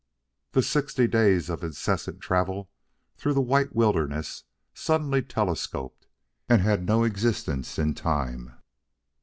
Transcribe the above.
The sixty days of incessant travel through the white wilderness suddenly telescoped, and had no existence in time.